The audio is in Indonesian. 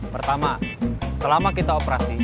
pertama selama kita operasi